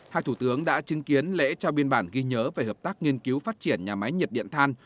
hai thủ tướng đã chứng kiến lễ trao biên bản ghi nhớ về hợp tác nghiên cứu phát triển nhà máy nhiệt điện than